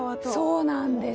そうなんです。